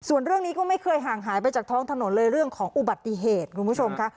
ส่วนเรื่องนี้ก็ไม่เคยห่างหายไปจากท้องถนนเลยเรื่องของอุบัติเหตุคุณผู้ชมค่ะ